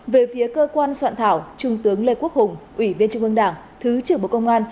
về phía cơ quan soạn thảo trung tướng lê quốc hùng ủy viên trung ương đảng thứ trưởng bộ công an